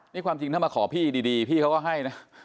นี่ความจริงถ้ามาขอพี่ดีพี่เขาก็ให้นะ